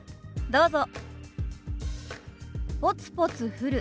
どうぞ。